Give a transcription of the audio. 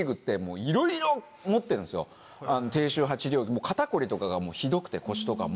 低周波治療肩凝りとかがひどくて腰とかも。